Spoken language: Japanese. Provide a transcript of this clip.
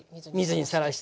水にさらして。